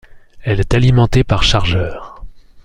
Elle est alimentée par chargeur.